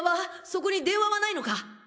そこに電話はないのか？